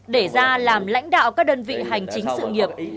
để ra làm lãnh đạo các đơn vị hành chính sự nghiệp